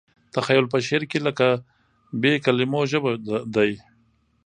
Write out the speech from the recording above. تخیل په شعر کې لکه بې کلیمو ژبه دی.